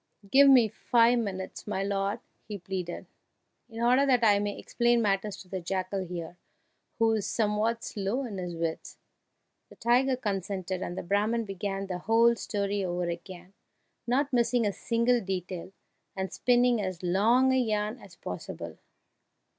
"Give me five minutes, my lord!" he pleaded, "in order that I may explain matters to the jackal here, who is somewhat slow in his wits." The tiger consented, and the Brahman began the whole story over again, not missing a single detail, and spinning as long a yarn as possible.